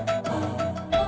nih aku tidur